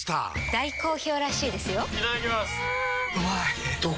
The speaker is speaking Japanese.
大好評らしいですよんうまい！